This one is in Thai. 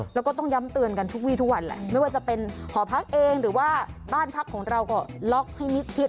แล้วก็ต้องย้ำเตือนกันทุกวีทุกวันแหละไม่ว่าจะเป็นหอพักเองหรือว่าบ้านพักของเราก็ล็อกให้มิดชิด